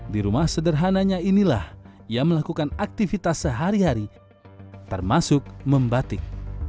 di rumah sederhananya inilah ia melakukan aktivitas sehari hari termasuk membatik